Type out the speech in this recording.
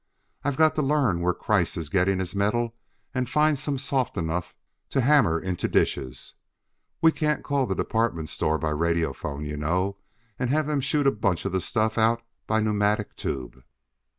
I've got to learn where Kreiss is getting his metal and find some soft enough to hammer into dishes. We can't call the department store by radiophone, you know, and have them shoot a bunch of stuff out by pneumatic tube."